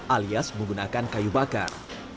alias menggunakan kayu bakar